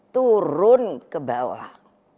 turun ke bawah